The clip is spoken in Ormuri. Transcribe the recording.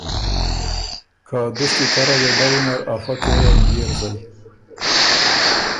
که دُشکی کره وې بَۀ وینر افۀ کېون بيې ر زئ